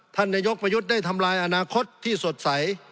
ท่านนายกประยุทธ์ได้ทำลายอนาคตที่สดใส